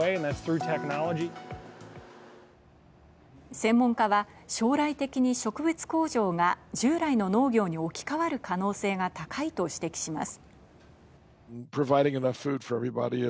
専門家は、将来的に植物工場が、従来の農業に置き換わる可能性が高いと指摘します。